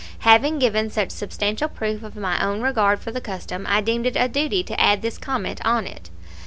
Having given such substantial proof of my own regard for the custom, I deem it a duty to add this comment on it.